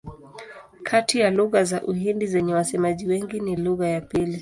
Kati ya lugha za Uhindi zenye wasemaji wengi ni lugha ya pili.